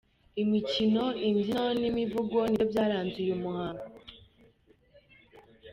Imikino imbyino n'imivugo nibyo byaranze uyu muhango.